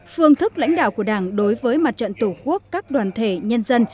phương thức lãnh đạo của đảng đối với mặt trận tổ quốc các đoàn thể nhân dân